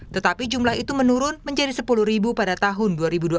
tetapi jumlah itu menurun menjadi sepuluh pada tahun dua ribu dua puluh